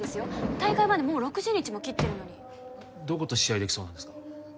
大会までもう６０日も切ってるのにどこと試合できそうなんですか？